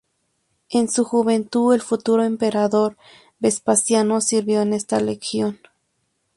En su juventud, el futuro emperador Vespasiano sirvió en esta legión.